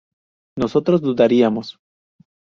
nosotros dudaríamos